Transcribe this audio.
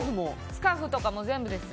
スカーフとかも全部です。